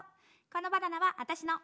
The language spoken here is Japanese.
このバナナはあたしの。